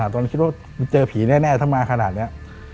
ตอนนั้นคิดว่าเจอผีแน่ถ้ามาขนาดนี้